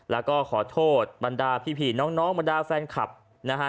แล้วก็ขอโทษบรรดาพี่น้องบรรดาแฟนคลับนะฮะ